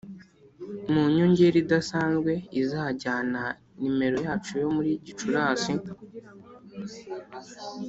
mu nyongera idasanzwe izajyana nimero yacu yo muri gicurasi.